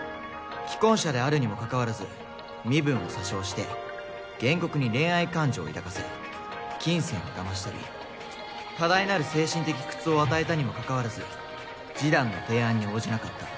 既婚者であるにもかかわらず身分を詐称して原告に恋愛感情を抱かせ金銭を騙し取り多大なる精神的苦痛を与えたにもかかわらず示談の提案に応じなかった。